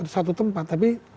satu tempat tapi